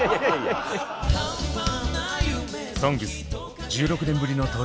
「ＳＯＮＧＳ」１６年ぶりの登場